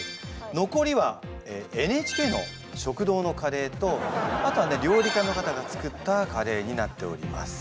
残りはＮＨＫの食堂のカレーとあとはね料理家の方が作ったカレーになっております。